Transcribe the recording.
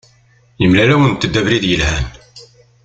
Yemla-awent-d abrid yelhan.